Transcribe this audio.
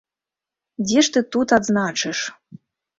Дзе ж ты тут адзначыш?